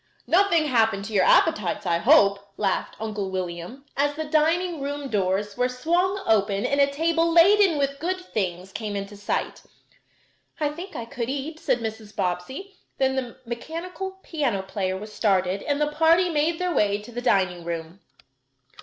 "Nothing happened to your appetites, I hope," laughed Uncle William, as the dining room doors were swung open and a table laden with good things came into sight. "I think I could eat," said Mrs. Bobbsey, then the mechanical piano player was started, and the party made their way to the dining room.